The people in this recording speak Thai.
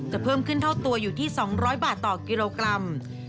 เพิ่มขึ้นเท่าตัวอยู่ที่๒๐๐บาทต่อกิโลกรัม